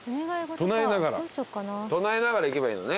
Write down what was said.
唱えながら行けばいいのね。